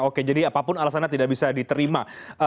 oke jadi apapun alasannya tidak bisa diterima